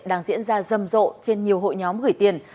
đang diễn ra rầm rộ trên nhiều hội nhóm gửi tiền